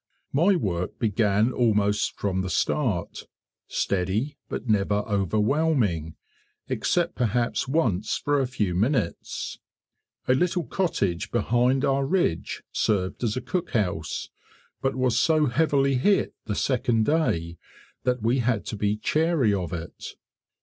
My work began almost from the start steady but never overwhelming, except perhaps once for a few minutes. A little cottage behind our ridge served as a cook house, but was so heavily hit the second day that we had to be chary of it.